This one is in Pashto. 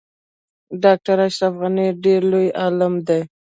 ډاکټر اشرف غنی ډیر لوی عالم دی